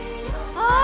ああ。